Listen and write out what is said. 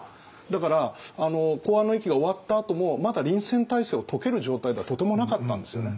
だから弘安の役が終わったあともまだ臨戦体制を解ける状態ではとてもなかったんですよね。